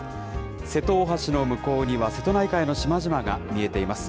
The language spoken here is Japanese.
瀬戸大橋の向こうには、瀬戸内海の島々が見えています。